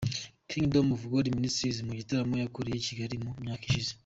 Kingdom of God Ministries mu gitaramo yakoreye i Kigali mu myaka ishize.